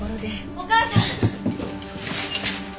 お母さん！